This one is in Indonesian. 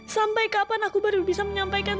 sampai kapan aku baru bisa menyampaikan